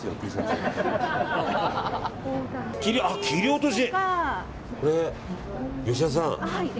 切り落とし。